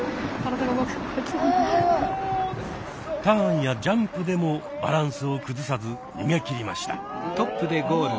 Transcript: ターンやジャンプでもバランスを崩さず逃げ切りました。